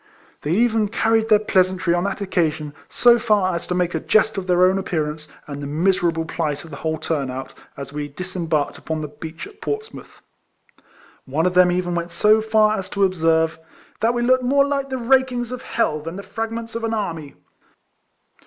They even carried their pleasantry on that occasion so far as to make a jest of their own appearance, and the miserable plight of the whole turn out, as 134 RECOLLECTIONS OF we disembarked upon the beach at Ports mouth. One of them even went so far as to observe, " tliat we looked more like the rakings of h — than the fragments of an army